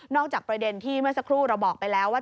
จากประเด็นที่เมื่อสักครู่เราบอกไปแล้วว่า